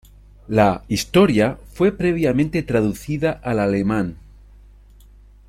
La "Historia" fue previamente traducida al alemán.